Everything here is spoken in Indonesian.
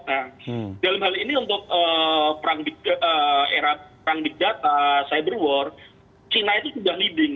nah dalam hal ini untuk era perang big data cyber war china itu sudah leading